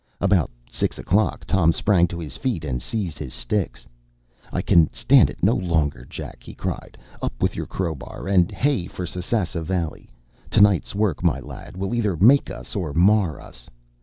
About six o’clock Tom sprang to his feet and seized his sticks. “I can stand it no longer, Jack,” he cried; “up with your crowbar, and hey for Sasassa Valley! To night’s work, my lad, will either make us or mar us!